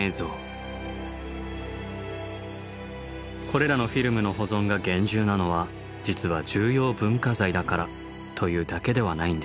これらのフィルムの保存が厳重なのは実は重要文化財だからというだけではないんです。